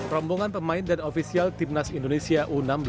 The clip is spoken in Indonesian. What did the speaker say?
rombongan pemain dan ofisial timnas indonesia u enam belas